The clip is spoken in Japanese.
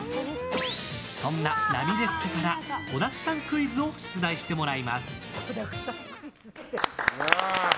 そんなラミレス家から子だくさんクイズを出題してもらいます。